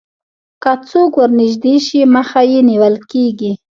که څوک ورنژدې شي مخه یې نیول کېږي